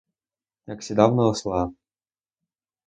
Як сідав на осла.